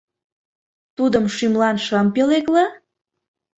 Тудым шӱмлан шым пӧлекле?